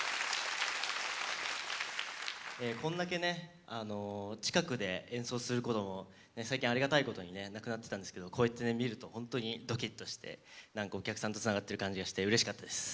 こんだけ近くで演奏することも最近ありがたいことになくなってたんですけどこうやってみると本当にドキッとしてなんかお客さんとつながってる感じがしてうれしかったです。